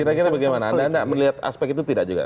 kira kira bagaimana anda melihat aspek itu tidak juga